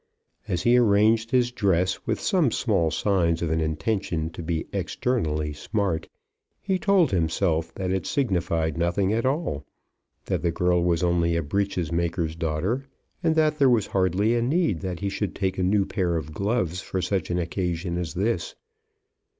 As he arranged his dress with some small signs of an intention to be externally smart, he told himself that it signified nothing at all, that the girl was only a breeches maker's daughter, and that there was hardly a need that he should take a new pair of gloves for such an occasion as this.